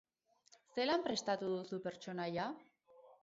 Zelan prestatu duzu pertsonaia?